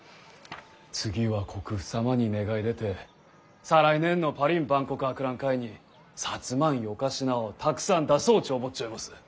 次は国父様に願い出て再来年のパリん万国博覧会に摩んよか品をたくさん出そうち思っちょいもす。